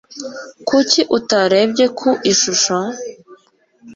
Kuki utarebye ku ishusho?